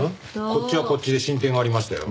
こっちはこっちで進展がありましたよ。